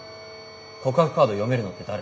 告白カード読めるのって誰？